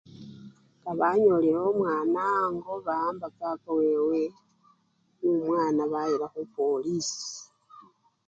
Nga banyolile omwana ango bawamba papa wewe nu mwana bayila khupolisi.